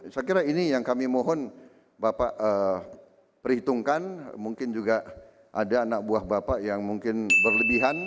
saya kira ini yang kami mohon bapak perhitungkan mungkin juga ada anak buah bapak yang mungkin berlebihan